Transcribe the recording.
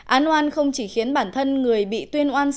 án oan không chỉ khiến bản thân người bị tuyên oan sai phải gánh chịu